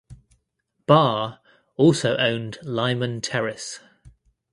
Barr also owned Lyman Terrace.